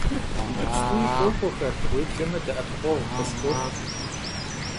Yicıpstui khok'uexer, vuêbleme de'epıkhueğu khısxuoxhu.